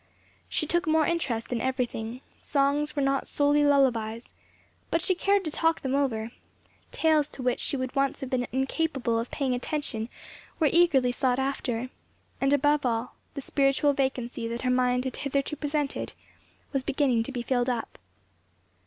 She took more interest in everything: songs were not solely lullabies, but she cared to talk them over; tales to which she would once have been incapable of paying attention were eagerly sought after; and, above all, the spiritual vacancy that her mind had hitherto presented was beginning to be filled up.